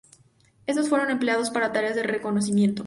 Estos fueron empleados para tareas de reconocimiento.